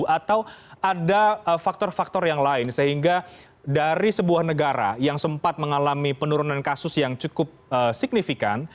atau ada faktor faktor yang lain sehingga dari sebuah negara yang sempat mengalami penurunan kasus yang cukup signifikan